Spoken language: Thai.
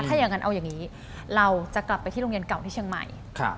ถ้าอย่างนั้นเอาอย่างนี้เราจะกลับไปที่โรงเรียนเก่าที่เชียงใหม่